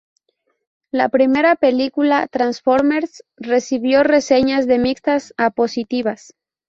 La primera película, "Transformers", recibió reseñas de mixtas a positivas.